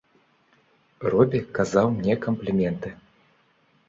Робі казаў мне кампліменты.